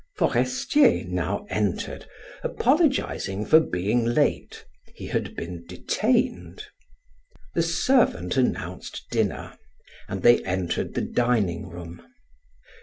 Forestier now entered, apologizing for being late; he had been detained. The servant announced dinner, and they entered the dining room.